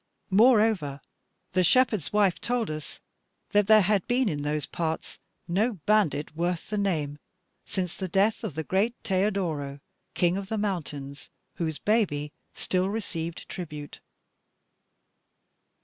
Moreover, the shepherd's wife told us that there had been in those parts no bandit worth the name, since the death of the great Teodoro, king of the mountains, whose baby still received tribute.